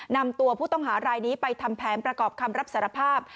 นำตัวผู้ต้องหารายนี้ไปทำแผนประกอบคำรับสารภาพ